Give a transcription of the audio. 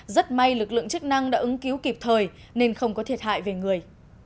rất may lực lượng chức năng đã ứng cứu kịp thời nên không có thiệt hại về người